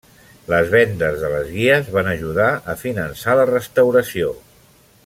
Les vendes de les guies van ajudar a finançar la restauració.